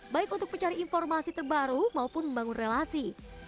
baik untuk mencari informasi terbaru maupun membangun relasi